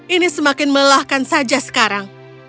ini semakin melelahkan saja sekarang